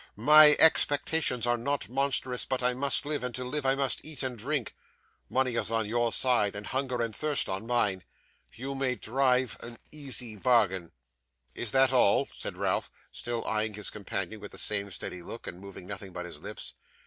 My expectations are not monstrous, but I must live, and to live I must eat and drink. Money is on your side, and hunger and thirst on mine. You may drive an easy bargain.' 'Is that all?' said Ralph, still eyeing his companion with the same steady look, and moving nothing but his lips.